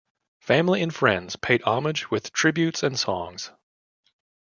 Family and friends paid homage with tributes and songs.